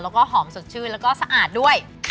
แล้วก็หอมสดชื่นแล้วก็สะอาดด้วย